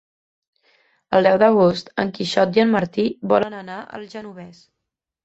El deu d'agost en Quixot i en Martí volen anar al Genovés.